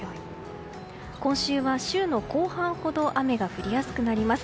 今週は週の後半ほど雨が降りやすくなります。